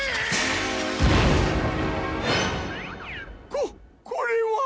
こっこれは？